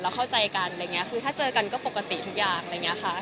เราเข้าใจกันถ้าเจอกันก็ปกติทุกอย่าง